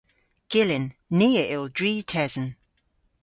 Gyllyn. Ni a yll dri tesen.